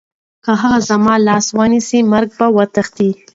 که هغه زما لاس ونیسي، مرګ به وتښتي.